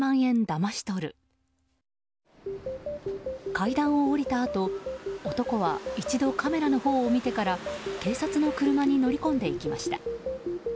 階段を下りたあと男は一度カメラのほうを見てから警察の車に乗り込んでいきました。